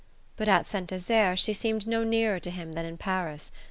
But at Saint Desert she seemed no nearer to him than in Paris.